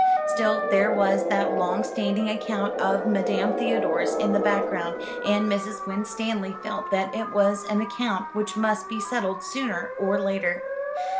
Still, there was that long standing account of Madame Theodore's in the background, and Mrs. Winstanley felt that it was an account which must be settled sooner or later.